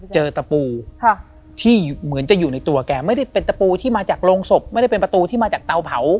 ตะปูที่เหมือนจะอยู่ในตัวแกไม่ได้เป็นตะปูที่มาจากโรงศพไม่ได้เป็นประตูที่มาจากเตาเผา